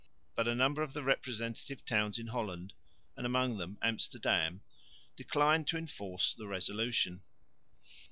But a number of the representative towns in Holland, and among them Amsterdam, declined to enforce the resolution.